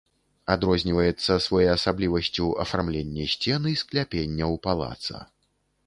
Адрозніваецца своеасаблівасцю афармленне сцен і скляпенняў палаца.